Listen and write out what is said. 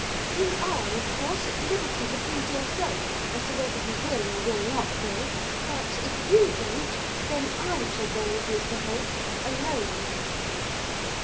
You are, of course, at liberty to please yourself as to whether you will or will not go, but, if you don't, then I shall go with Mr Holt alone.